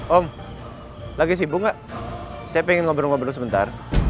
om lagi sibuk gak saya ingin ngobrol ngobrol sebentar